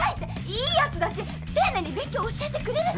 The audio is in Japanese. いいやつだし丁寧に勉強教えてくれるし！